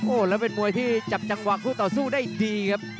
แล้วเป็นมวยที่จับจังหวะคู่ต่อสู้ได้ดีครับ